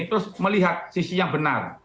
terus melihat sisi yang benar